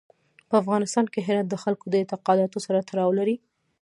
په افغانستان کې هرات د خلکو د اعتقاداتو سره تړاو لري.